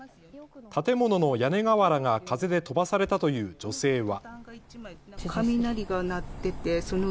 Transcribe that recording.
建物の屋根瓦が風で飛ばされたという女性は。